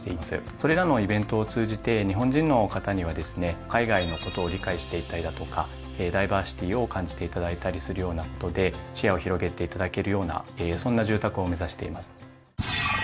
それらのイベントを通じて日本人の方にはですね海外のことを理解していったりだとかダイバーシティーを感じていただいたりするようなことで視野を広げていただけるようなそんな住宅を目指しています。